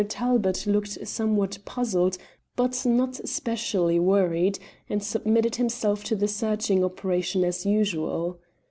Talbot looked somewhat puzzled, but not specially worried, and submitted himself to the searching operation as usual.